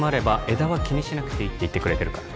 枝は気にしなくていいって言ってくれてるから